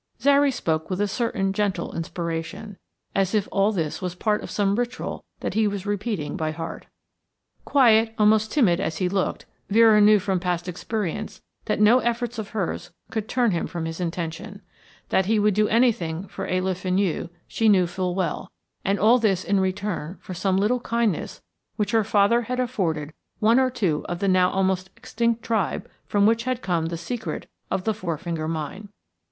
Zary spoke with a certain gentle inspiration, as if all this was part of some ritual that he was repeating by heart. Quiet, almost timid as he looked, Vera knew from past experience that no efforts of hers could turn him from his intention. That he would do anything for a Le Fenu she knew full well, and all this in return for some little kindness which her father had afforded one or two of the now almost extinct tribe from which had come the secret of the Four Finger Mine.